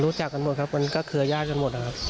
รู้จักกันหมดครับมันก็เครือญาติกันหมดนะครับ